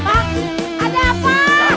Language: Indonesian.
kang gadang keluar